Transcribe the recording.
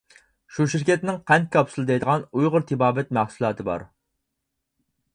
شۇ شىركەتنىڭ قەنت كاپسۇلى دەيدىغان ئۇيغۇر تېبابەت مەھسۇلاتى بار.